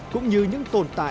cũng như những tồn tại